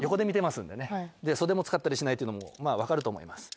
袖も使ったりしないというのもまぁ分かると思います。